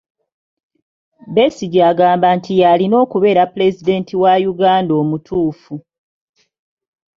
Besigye agamba nti y'alina okubeera pulezidenti wa Uganda omutuufu.